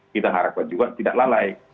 kita harapkan juga tidak lalai